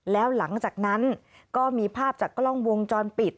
แล้วหลังจากนั้นก็มีภาพจากกล้องวงจรปิด